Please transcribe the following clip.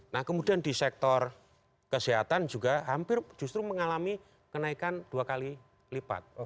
nah kemudian di sektor kesehatan juga hampir justru mengalami kenaikan dua kali lipat